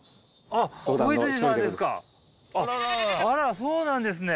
あらそうなんですね！